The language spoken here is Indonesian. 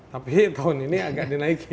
tapi tahun ini agak dinaiki